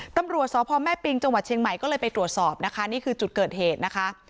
ตำรวจสพแม่ปิงจังหวัดเชียงใหม่ก็เลยไปตรวจสอบนะคะนี่คือจุดเกิดเหตุนะคะ